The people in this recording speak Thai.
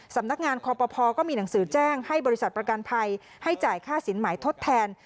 สำนักงานคอปภก็มีหนังสือแจ้งให้บริษัทประกันภัยให้จ่ายค่าสินหมายทดแทน